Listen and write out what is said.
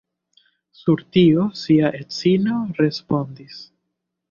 Sur tio, sia edzino respondis.